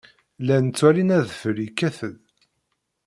Llan ttwalin adfel yekkat-d.